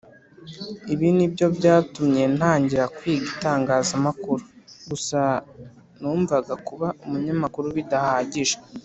Ibi ni byo byatumye ntangira kwiga itangazamakuru. Gusa numvaga kuba umunyamakuru bidahagije.